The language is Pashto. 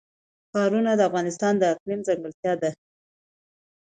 ښارونه د افغانستان د اقلیم ځانګړتیا ده.